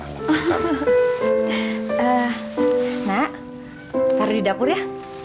nak taruh di dapur ya